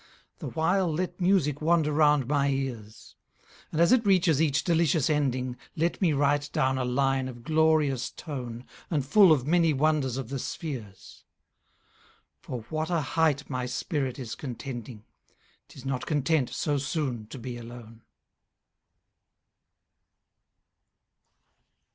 The while let music wander round my ears. And as it reaches each delicious ending, Let me write down a line of glorious tone, And full of many wonders of the spheres: For what a height my spirit is contending! 'Tis not content so soon to be alone.